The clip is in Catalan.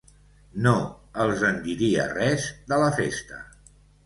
No els en diria res, de la festa.